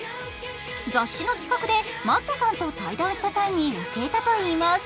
雑誌の企画でマットさんと対談した際に教えたといいます。